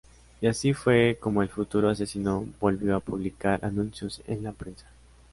Y así fue como el futuro asesino volvió a publicar anuncios en la prensa.